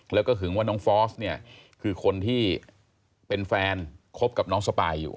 แล้วก็หึงว่าน้องฟอสเนี่ยคือคนที่เป็นแฟนคบกับน้องสปายอยู่